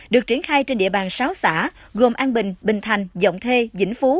được triển khai trên địa bàn sáu xã gồm an bình bình thành dọng thê dĩnh phú